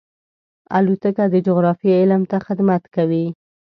الوتکه د جغرافیې علم ته خدمت کوي.